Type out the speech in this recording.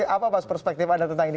apa perspektif anda tentang ini